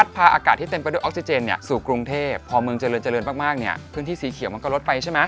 พื้นที่สีเขียวมันก็ลดไปใช่ไหม